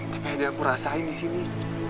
tapi ada yang aku rasain disini